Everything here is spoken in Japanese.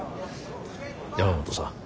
山本さん